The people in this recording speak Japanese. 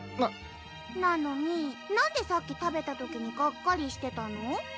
なのになんでさっき食べた時にがっかりしてたの？